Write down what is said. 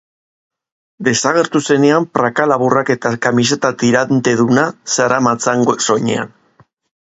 Desagertu zenean praka laburrak eta kamiseta tiranteduna zeramatzan soinean.